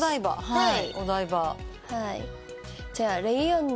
はい。